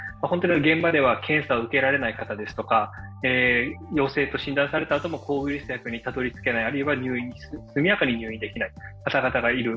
現場では検査を受けられない人とか陽性と診断されたあとも抗ウイルス薬にたどり着けないあるいは速やかに入院できない方々がいる。